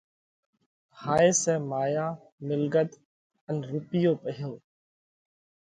هائي سئہ مايا، مِلڳت ان رُوپيو پئِيهو۔